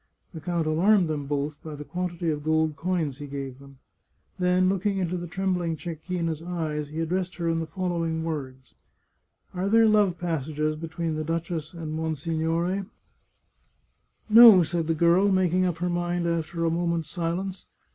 The count alarmed them both by the quantity of gold coins he gave them; then, looking into the trembling Cecchina's eyes, he addressed her in the following words :" Are there love passages between the duchess and monsignore ?"" No," said the girl, making up her mind after a mo ment's silence.